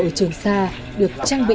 ở trường sa được trang bị